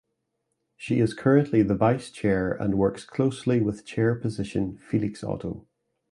She is currently the Vice Chair and works closely with Chair position Felix Otto.